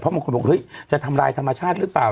บางคนบอกเฮ้ยจะทำลายธรรมชาติหรือเปล่า